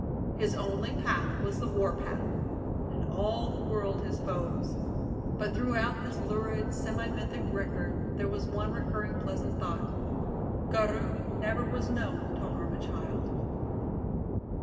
His only path was the warpath, and all the world his foes. But throughout this lurid, semi mythic record there was one recurring pleasant thought Garou never was known to harm a child.